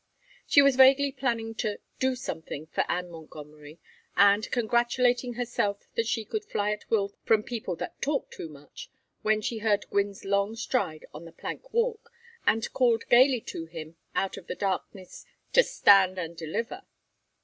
She was vaguely planning to "do something" for Anne Montgomery, and congratulating herself that she could fly at will from people that talked too much, when she heard Gwynne's long stride on the plank walk, and called gayly to him out of the darkness "to stand and deliver."